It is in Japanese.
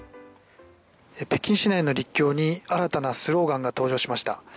北京市内の陸橋に新たなスローガンが登場しました。